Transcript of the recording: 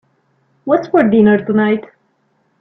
What's for dinner tonight?